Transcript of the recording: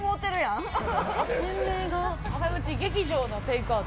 浅口劇場のテイクアウト。